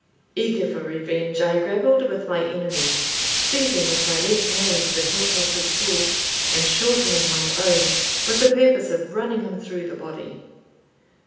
Eager for revenge, I grappled with my enemy, seizing with my left hand the hilt of his sword, and shortening my own with the purpose of running him through the body.